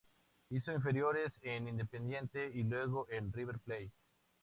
Hizo inferiores en Independiente y luego en River Plate.